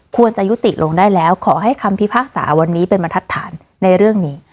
ควรจะยุติลงได้แล้วขอให้คำพิพากษาวันนี้เป็นบรรทัดฐานในเรื่องนี้